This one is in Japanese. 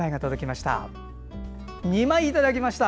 ２枚いただきました。